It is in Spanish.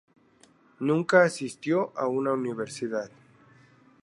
Nunca asistió a una universidad.